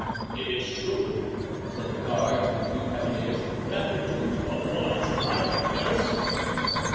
"Is it true," said the guard to the two cavaliers, "that the Duc de Beaufort has arrived in Paris?"